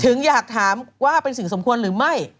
อยากถามว่าเป็นสิ่งสมควรหรือไม่